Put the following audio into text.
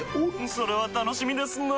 それは楽しみですなぁ。